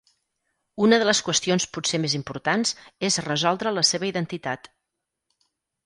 Una de les qüestions potser més importants és resoldre la seva identitat.